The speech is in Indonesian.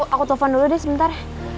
aku telepon dulu deh sebentar